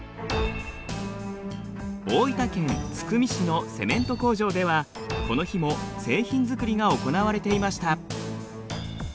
大分県津久見市のセメント工場ではこの日も製品作りが行われていました。